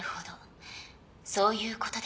そういうことですか。